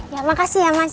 ya makasih ya mas ya